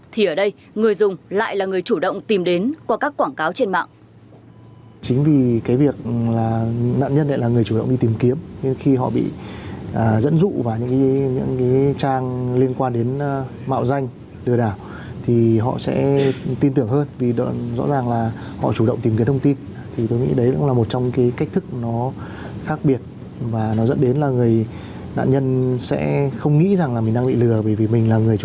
thì ở đây người dùng lại là người chủ động tìm đến qua các quảng cáo trên mạng